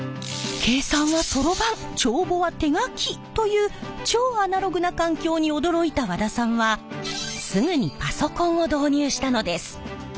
計算はソロバン帳簿は手書きという超アナログな環境に驚いた和田さんはすぐにパソコンを導入したのです。